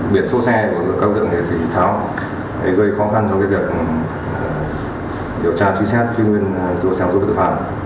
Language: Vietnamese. biệt số xe của các đối tượng để tháo gây khó khăn trong việc điều tra truy xét truy nguyên